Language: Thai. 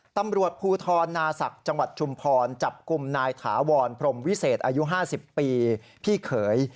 ตำรวจภูทรนาศักดิ์จังหวัดชุมพรจับกลุ่มนายถาวรพรมวิเศษอายุ๕๐ปีพี่เขย